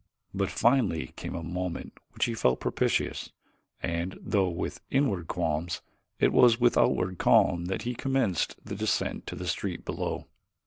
But finally came a moment which he felt propitious and though with inward qualms, it was with outward calm that he commenced the descent to the street below.